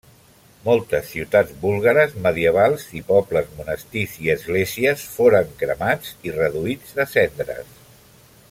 Moltes ciutats búlgares medievals i pobles, monestirs i esglésies, foren cremats i reduïts a cendres.